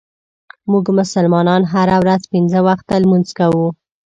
مونږ مسلمانان هره ورځ پنځه وخته لمونځ کوو.